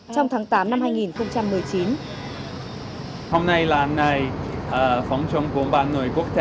trong tháng tám năm hai nghìn một mươi chín